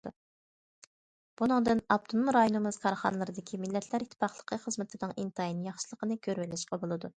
بۇنىڭدىن ئاپتونوم رايونىمىز كارخانىلىرىدىكى مىللەتلەر ئىتتىپاقلىقى خىزمىتىنىڭ ئىنتايىن ياخشىلىقىنى كۆرۈۋېلىشقا بولىدۇ.